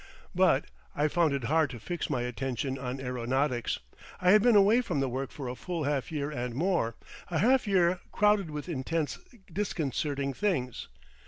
But I found it hard to fix my attention on aeronautics, I had been away from the work for a full half year and more, a half year crowded with intense disconcerting things.